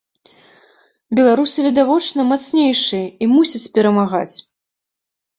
Беларусы, відавочна, мацнейшыя, і мусяць перамагаць.